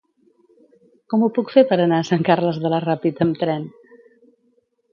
Com ho puc fer per anar a Sant Carles de la Ràpita amb tren?